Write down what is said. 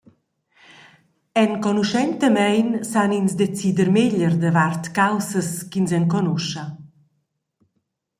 Enconuschentamein san ins decider meglier davart caussas ch’ins enconuscha.